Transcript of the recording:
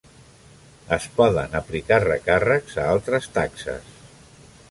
Es poden aplicar recàrrecs a altres taxes.